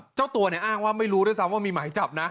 เจ้าตัวเนี่ยอ้างว่าไม่รู้ด้วยซ้ำว่ามีหมายจับนะ